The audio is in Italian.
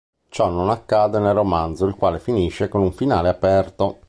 Ciò non accade nel romanzo, il quale finisce con un finale aperto.